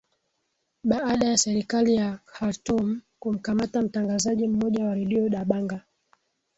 baada ya serikali ya khartum kumkamata mtangazaji mmoja wa redio dabanga